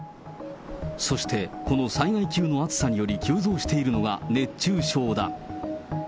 そしてこの災害級の暑さにより、急増しているのが、熱中症だ。